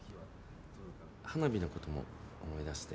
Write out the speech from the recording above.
花火のことも思い出して。